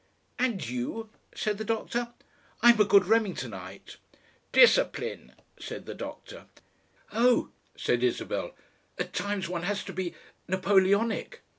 "And you?" said the doctor. "I'm a good Remington ite." "Discipline!" said the doctor. "Oh!" said Isabel. "At times one has to be Napoleonic.